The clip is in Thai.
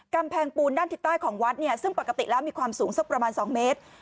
กำแพงปูนด้านทิศใต้ของวัดเนี่ยซึ่งปกติแล้วมีความสูงสักประมาณ๒เมตร